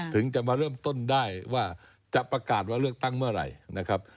ถึงจะมาเริ่มต้นได้ว่าจะประกาศว่าเลือกตั้งเมื่อไหร่นะครับ